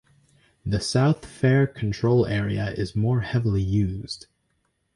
The south fare control area is more heavily used.